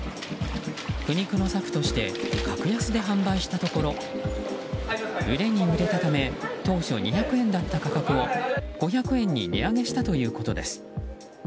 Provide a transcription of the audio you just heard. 苦肉の策として格安で販売したところ売れに売れたため当初２００円だった価格を５００円に値上げしたということです。